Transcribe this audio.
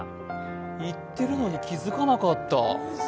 言ってるのに気付かなかった。